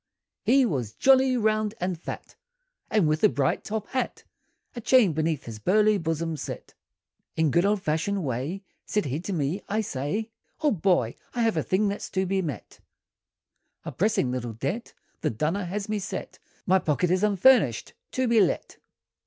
] he WAS jolly, round, and fat, And with a bright top hat, A chain beneath his burly bosom set, In good old fashioned way, Said he to me, "I say Old boy, I have a thing that's to be met, A pressing little debt, The dunner has me set, My pocket is unfurnished, to be let!